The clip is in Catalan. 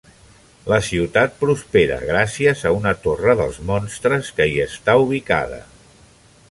La ciutat prospera gràcies a una Torre dels Monstres que hi està ubicada.